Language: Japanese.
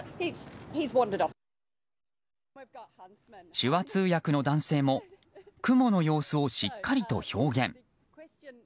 手話通訳の男性もクモの様子をしっかりと表現。